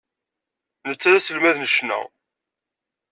Netta d aselmad n ccna.